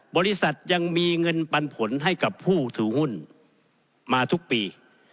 บริษัทยังมีเงินปันผลให้กับผู้ถือหุ้นมาทุกปี